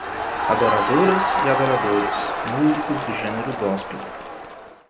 Adoradoras e adoradores, músicos do gênero gospel